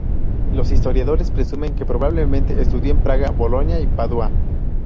Los historiadores presumen que probablemente estudió en Praga, Bolonia y Padua.